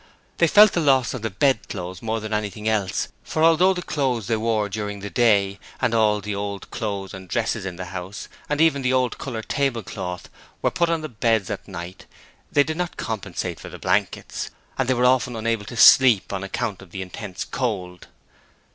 They felt the loss of the bedclothes more than anything else, for although all the clothes they wore during the day, and all the old clothes and dresses in the house, and even an old coloured tablecloth, were put on the beds at night, they did not compensate for the blankets, and they were often unable to sleep on account of the intense cold.